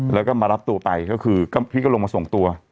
แล้วก็มารับตัวไปก็คือพี่ก็ลงมาส่งตัว